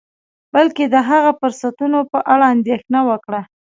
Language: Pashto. بلکې د هغه فرصتونو په اړه اندیښنه وکړه